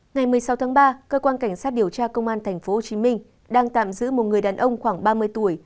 ngày một mươi sáu tháng ba cơ quan cảnh sát điều tra công an thành phố hồ chí minh đang tạm giữ một người đàn ông khoảng ba mươi tuổi